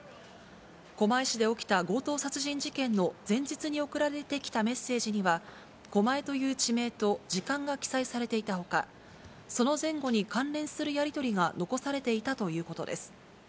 狛江市で起きた強盗殺人事件の前日に送られてきたメッセージには、狛江という地名と時間が記載されていたほか、その前後に関連するやり取りが残されていたということです。